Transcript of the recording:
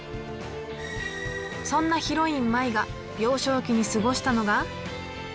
そんなヒロイン舞が幼少期に過ごしたのが。